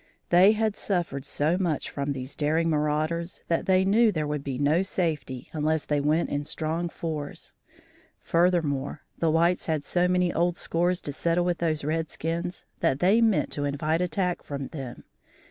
They had suffered so much from these daring marauders that they knew there would be no safety unless they went in strong force. Furthermore, the whites had so many old scores to settle with those redskins that they meant to invite attack from them.